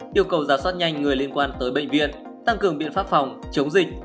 yêu cầu giả soát nhanh người liên quan tới bệnh viện tăng cường biện pháp phòng chống dịch